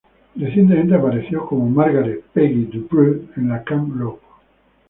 Recientemente apareció como Margaret "Peggy" DuPree en la "Camp Rock".